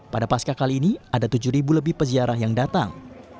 pada pasca kali ini ada tujuh lebih peziarah yang datang